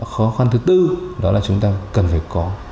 khó khăn thứ tư đó là chúng ta cần phải có